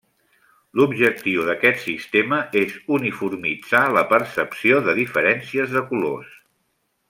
L'objectiu d'aquest sistema és uniformitzar la percepció de diferències de colors.